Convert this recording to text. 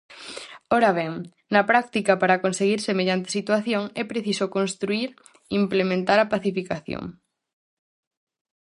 Ora ben, na práctica para conseguir semellante situación é preciso construír, implementar a pacificación.